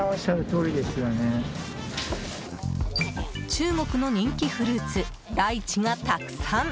中国の人気フルーツライチがたくさん。